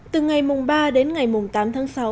từ ngày mùng ba đến ngày mùng tám tháng sáu